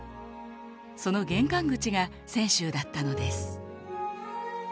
その玄関口が泉州だったのです。